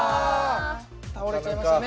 倒れちゃいましたね。